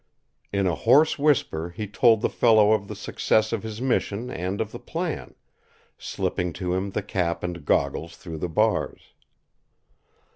In a hoarse whisper he told the fellow of the success of his mission and of the plan, slipping to him the cap and goggles through the bars.